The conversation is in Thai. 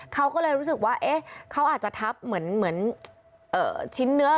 เขาก็เลยรู้สึกว่าเขาอาจจะทับเหมือนชิ้นเนื้อ